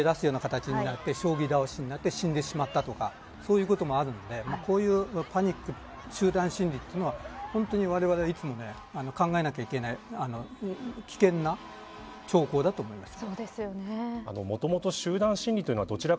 日本でも例外ではなくて例えばある歩道橋の所にみんな、人が逃げ出すような形になって将棋倒しになって死んでしまったとかそういうこともあるのでこういうパニック集団心理というのは本当にわれわれはいつも考えなければいけない危険な兆候だと思います。